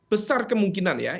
besar kemungkinan ya